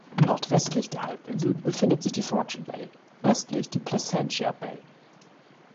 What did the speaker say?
Nordwestlich der Halbinsel befindet sich die Fortune Bay, östlich die Placentia Bay.